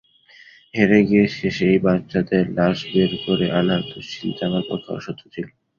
হেরে গিয়ে শেষে এই বাচ্চাদের লাশ বের করে আনার দুশ্চিন্তা আমার পক্ষে অসহ্য ছিল।